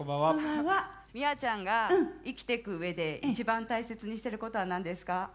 美和ちゃんが生きてくうえで一番大切にしていることは何ですか？